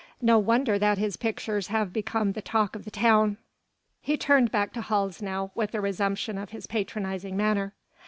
No wonder that his pictures have become the talk of the town." He turned back to Hals now with a resumption of his patronizing manner.